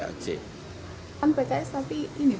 kan pks tapi ini